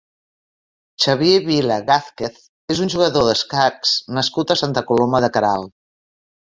Xavier Vila Gázquez és un jugador d'escacs nascut a Santa Coloma de Queralt.